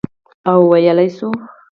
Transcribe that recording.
او ویلای شو،